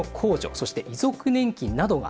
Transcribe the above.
そして遺族年金などがあります。